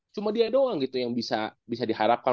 cuma dia doang gitu yang bisa diharapkan